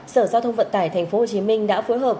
sở giao thông vận tải tp hcm đã phối hợp